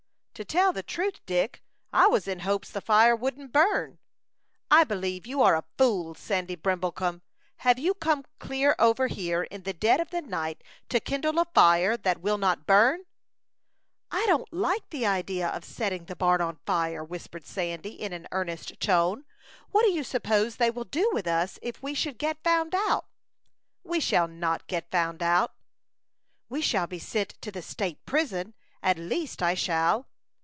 "To tell the truth, Dick, I was in hopes the fire wouldn't burn." "I believe you are a fool, Sandy Brimblecom. Have you come clear over here, in the dead of the night, to kindle a fire that will not burn?" "I don't like the idea of setting the barn on fire," whispered Sandy, in an earnest tone. "What do you suppose they will do with us, if we should get found out?" "We shall not get found out." "We shall be sent to the state prison at least I shall."